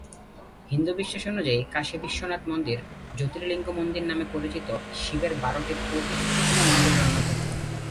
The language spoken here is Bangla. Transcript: হিন্দু বিশ্বাস অনুযায়ী, কাশী বিশ্বনাথ মন্দির "জ্যোতির্লিঙ্গ মন্দির" নামে পরিচিত শিবের বারোটি পবিত্রতম মন্দিরের অন্যতম।